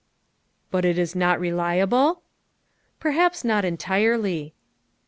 But it is not reliable?" " Perhaps not entirely."